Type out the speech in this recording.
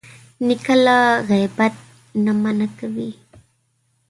نیکه له غیبت نه منع کوي.